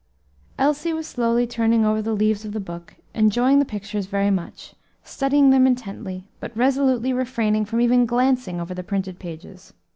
Elsie was slowly turning over the leaves of the book, enjoying the pictures very much, studying them intently, but resolutely refraining from even glancing over the printed pages.